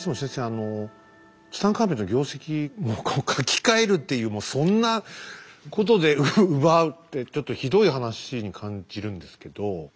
あのツタンカーメンの業績を書き換えるっていうそんなことで奪うってちょっとひどい話に感じるんですけど。